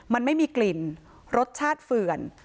มันไม่มีกลิ่นรสชาติเฝื่อน